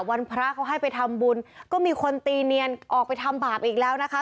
วันพระเขาให้ไปทำบุญก็มีคนตีเนียนออกไปทำบาปอีกแล้วนะคะ